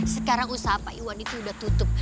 sekarang usaha pak iwan itu sudah tutup